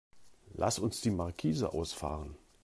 Lass uns die Markise ausfahren.